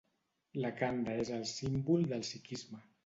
La khanda és el símbol del sikhisme.